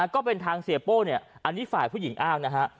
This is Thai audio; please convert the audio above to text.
ก็เป็นทางเสียโป้เนี่ยอันนี้ฝ่ายผู้หญิงอ้างนะฮะ